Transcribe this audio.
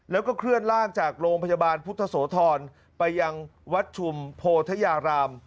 แล้วก็เคลื่อนร่างจากโรงพยาบาลพุทธโสธรไปยังวัดชุมโพธยาราม